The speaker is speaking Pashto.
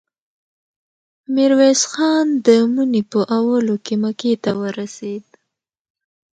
ميرويس خان د مني په اولو کې مکې ته ورسېد.